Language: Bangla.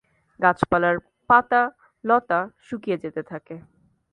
গাছপালার পাতা, লতা শুকিয়ে যেতে থাকে।